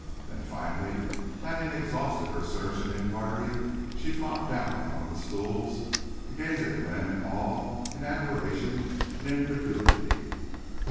Then, finally, having exhausted her search and inquiry, she flopped down on one of the stools to gaze at Glenn in awe and admiration and incredulity.